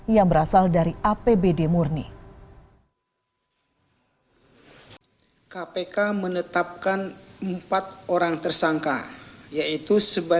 yang berasal dari apb